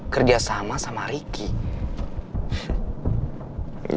kerja sama sama ricky